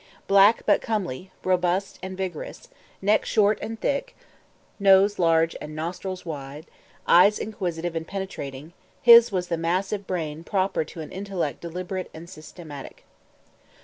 Black, but comely, robust, and vigorous, neck short and thick, nose large and nostrils wide, eyes inquisitive and penetrating, his was the massive brain proper to an intellect deliberate and systematic.